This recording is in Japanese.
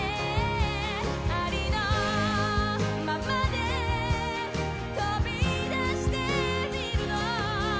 「ありのままで飛び出してみるの」